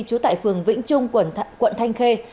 chú tại phường vĩnh trung quận thanh khê